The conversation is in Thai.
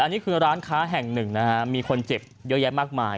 อันนี้คือร้านค้าแห่งหนึ่งนะฮะมีคนเจ็บเยอะแยะมากมาย